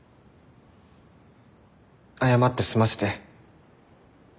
謝って済ませて。